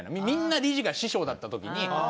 みんな理事が師匠だった時に。